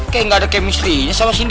kayak gak ada chemistrynya sama cindy